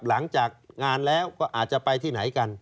หลังจากงานแล้วก็อาจจะไปที่ไหนกัน